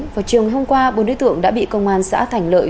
vào chiều ngày hôm qua bốn đối tượng đã bị công an xã thành lợi